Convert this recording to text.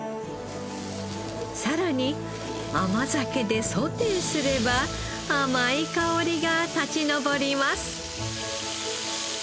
さらに甘酒でソテーすれば甘い香りが立ち上ります。